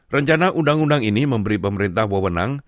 rencana undang undang ini memberi pemerintah wewenang